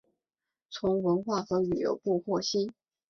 从文化和旅游部获悉